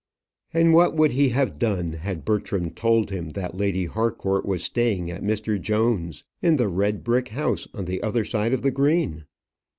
And what would he have done had Bertram told him that Lady Harcourt was staying at Mr. Jones's, in the red brick house on the other side of the Green?